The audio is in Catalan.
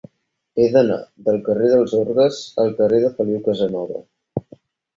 He d'anar del carrer dels Orgues al carrer de Feliu Casanova.